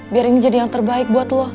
biar ini jadi yang terbaik buat lo